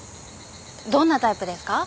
どんなタイプですか？